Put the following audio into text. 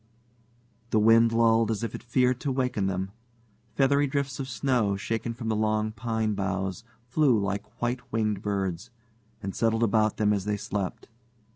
The wind lulled as if it feared to waken them. Feathery drifts of snow, shaken from the long pine boughs, flew like white winged birds, and settled about them as they slept.